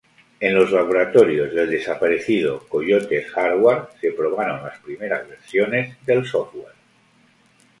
En los laboratorios del desaparecido Coyotes Hardware se probaron las primeras versiones del "software".